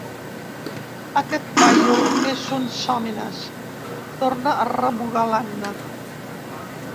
Aquest paio és un sòmines —torna a remugar l'Anna.